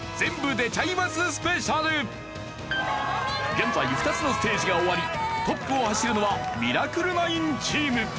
現在２つのステージが終わりトップを走るのはミラクル９チーム。